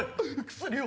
薬を。